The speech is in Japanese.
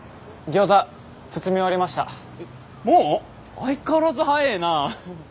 相変わらず速ぇな！